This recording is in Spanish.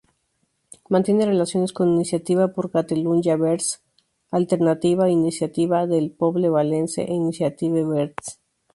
Mantiene relaciones con Iniciativa per Catalunya-Verds, Alternatiba, Iniciativa del Poble Valencia e Iniciativa Verds.